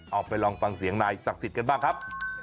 เอาไปลองฟังเสียงนายศักดิ์สิทธิ์กันบ้างครับ